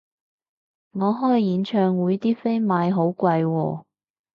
我開演唱會啲飛賣好貴喎